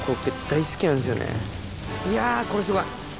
いやこれすごい。